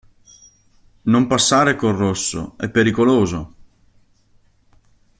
Non passare col rosso, è pericoloso!